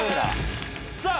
さあ